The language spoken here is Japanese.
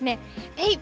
えい！